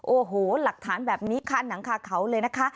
โอ้โหหลักฐานแบบนี้คาหนังคาเขาเลยนะคะ